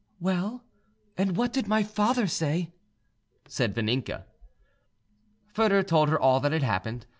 "Well, and what did my father say?" said Vaninka. Foedor told her all that had happened.